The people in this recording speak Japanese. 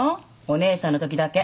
お姉さんのときだけ。